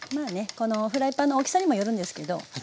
このフライパンの大きさにもよるんですけど。